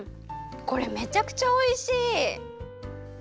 これめちゃくちゃおいしい！